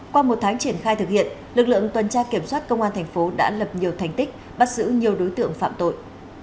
qua một tháng triển khai thực hiện lực lượng tuần tra kiểm soát công an thành phố đã lập nhiều thành tích bắt giữ nhiều đối tượng phạm tội